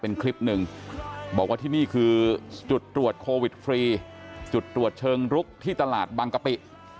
เป็นคลิปหนึ่งบอกว่าที่นี่คือจุดตรวจโควิดฟรีจุดตรวจเชิงลุกที่ตลาดบางกะปิ